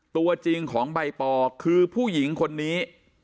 ตัวจริงของใบปอคือผู้หญิงคนนี้